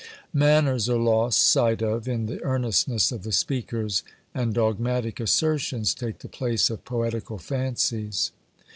Manners are lost sight of in the earnestness of the speakers, and dogmatic assertions take the place of poetical fancies.